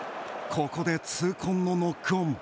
ここで痛恨のノックオン。